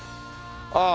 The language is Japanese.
ああ